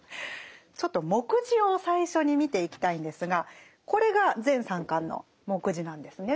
ちょっと目次を最初に見ていきたいんですがこれが全３巻の目次なんですね。